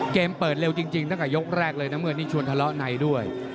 เกมเปิดเร็วจริงตั้งแต่ยกแรกเลยน้ำเงินนี่ชวนทะเลาะในด้วย